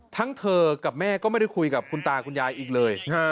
ทั้งเธอกับแม่ก็ไม่ได้คุยกับคุณตาคุณยายอีกเลย